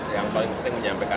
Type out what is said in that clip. yang paling penting menyampaikan